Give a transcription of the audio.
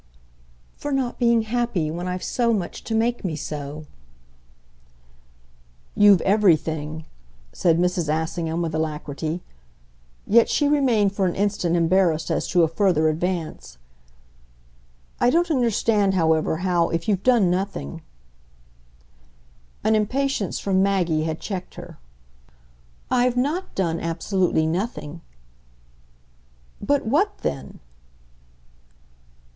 "For not being happy when I've so much to make me so." "You've everything," said Mrs. Assingham with alacrity. Yet she remained for an instant embarrassed as to a further advance. "I don't understand, however, how, if you've done nothing " An impatience from Maggie had checked her. "I've not done absolutely 'nothing.'" "But what then